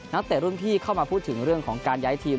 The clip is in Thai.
เตะรุ่นพี่เข้ามาพูดถึงเรื่องของการย้ายทีม